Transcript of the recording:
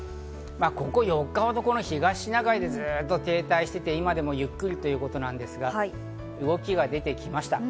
ここ４日ほど東シナ海でずっと停滞していて、今でもゆっくりということですが、動きが出てきました。